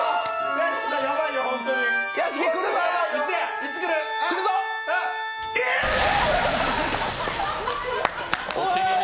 屋敷さん、ヤバいよ本当に。